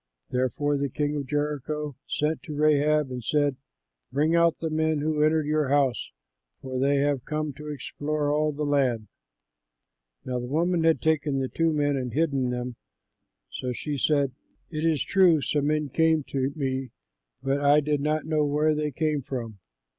Therefore the king of Jericho sent to Rahab and said, "Bring out the men who entered your house, for they have come to explore all the land." Now the woman had taken the two men and hidden them; so she said, "It is true, some men came to me, but I did not know where they came from.